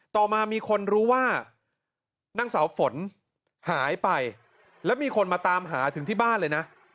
ต่อมามีคนรู้ว่านางสาวฝนหายไปแล้วมีคนมาตามหาถึงที่บ้านเลยนะ